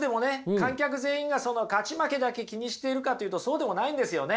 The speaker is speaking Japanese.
観客全員が勝ち負けだけ気にしているかっていうとそうでもないんですよね。